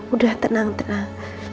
udah tenang tenang